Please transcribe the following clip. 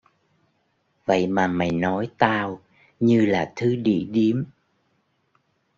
vậy mà mày nói tao như là thứ đĩ điếm